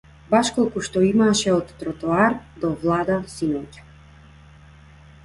Баш колку што имаше од тротоар до влада синоќа.